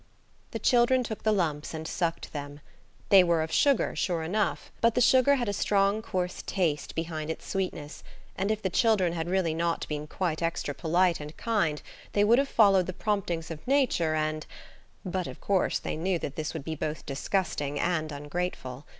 The children took the lumps and sucked them. They were of sugar, sure enough, but the sugar had a strong, coarse taste behind its sweetness, and if the children had really not been quite extra polite and kind they would have followed the promptings of Nature and–But, of course, they knew that this would be both disgusting and ungrateful.